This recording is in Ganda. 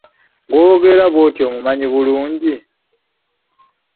Gw'oboggolera bwotyo omumanyi bulungi.